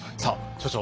所長